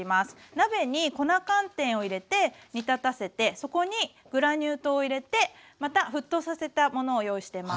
鍋に粉寒天を入れて煮立たせてそこにグラニュー糖を入れてまた沸騰させたものを用意してます。